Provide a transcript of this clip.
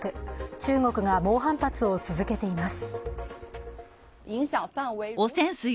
中国が猛反発を続けています。